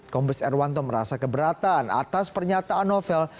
kombes erwanto merasa keberatan atas pernyataan novel